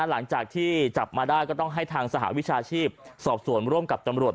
หลังจากที่จับมาได้ก็ต้องให้ทางสหวิชาชีพสอบส่วนร่วมกับตำรวจ